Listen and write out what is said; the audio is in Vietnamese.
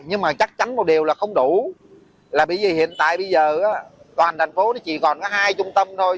nhưng mà chắc chắn một điều là không đủ là bởi vì hiện tại bây giờ toàn thành phố nó chỉ còn có hai trung tâm thôi